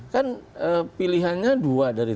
kan pilihannya dua dari